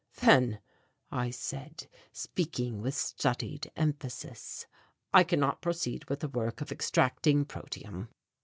"Then," I said, speaking with studied emphasis, "I cannot proceed with the work of extracting protium."